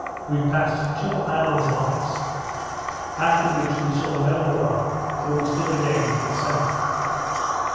we passed two islands of ice, after which we saw no more till we stood again to the south.